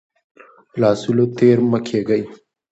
له اصولو تیر مه کیږئ.